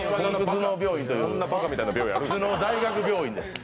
そんなバカみたいな病院あるんですね。